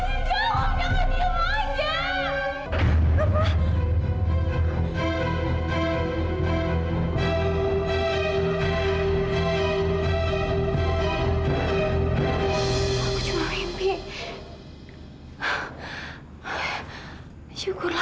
suster papa kenapa suster